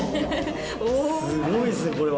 すごいですねこれは。